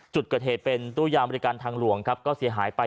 จุดเกิดเหตุเป็นตู้ยามบริการทางหลวงครับก็เสียหายไป